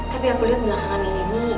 tapi aku lihat belakangan ini